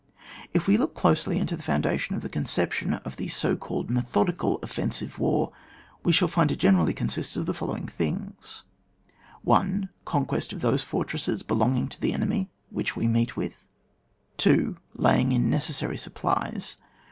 If we look closely into the foundation of the conception of the so called me thodical offensive war, we shall find it generally consists of the following things: — 1. Conquest of those fortresses belong ing to the enemy which we meet with. 2. Laying in the necessary supplies.